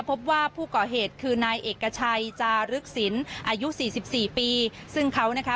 พบว่าผู้ก่อเหตุคือนายเอกชัยจารึกศิลป์อายุสี่สิบสี่ปีซึ่งเขานะคะ